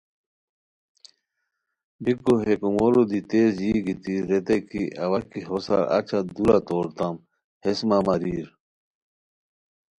بیکو ہے کومورو دی تیز یی گیتی ریتائے کی اوا کی ہوسار اچہ دورا توریتام ہیس مہ ماریر